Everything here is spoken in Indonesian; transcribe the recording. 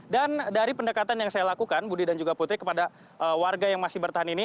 dan dari pendekatan yang saya lakukan budi dan juga putri kepada warga yang masih bertahan ini